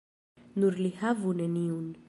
Nur li havu neniun.